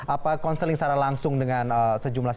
apa counseling secara langsung dengan sejumlah